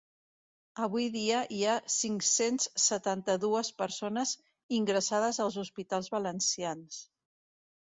Avui dia hi ha cinc-cents setanta-dues persones ingressades als hospitals valencians.